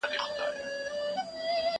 زه اجازه لرم چي شګه پاک کړم؟